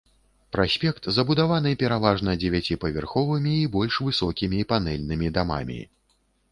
Праспект забудаваны пераважна дзевяціпавярховымі і больш высокімі панэльнымі дамамі.